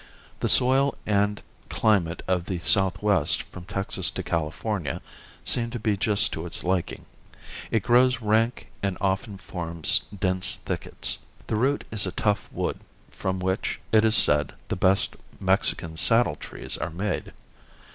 The soil and climate of the southwest from Texas to California seem to be just to its liking. It grows rank and often forms dense thickets. The root is a tough wood from which, it is said, the best Mexican saddletrees are made.